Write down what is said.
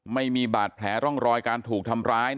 ไม่มีบาดแผลร่องรอยการถูกทำร้าย